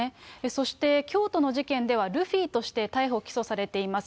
そして京都の事件ではルフィとして逮捕・起訴されています